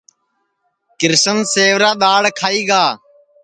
کرشن سیورا دؔاݪ کھائی گا